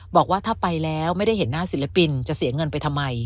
บอกว่าถ้าไปแล้วไม่ได้เห็นหน้าศิลปินจะเสียเงินไปทำไม